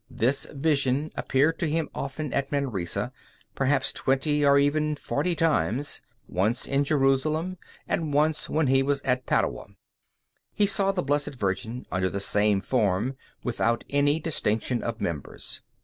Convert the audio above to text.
This vision appeared to him often at Manresa, perhaps twenty or even forty times, once at Jerusalem, and once when he was at Padua. He saw the Blessed Virgin under the same form, without any distinction of members.